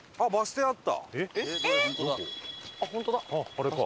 あれか。